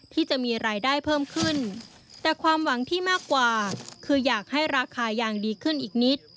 ที่มีรายได้เพิ่มขึ้นแต่ความหวังที่มากกว่าคืออยากให้ราคายางดีขึ้นอีกนิด